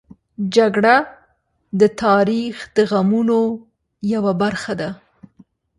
جګړه د تاریخ د غمونو یوه برخه ده